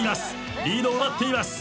リードを奪っています。